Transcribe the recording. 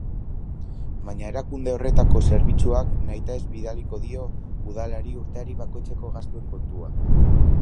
Baina erakunde horretako zerbitzuak nahitaez bidaliko dio Udalari urtealdi bakoitzeko gastuen kontua.